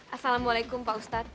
assalamualaikum pak ustadz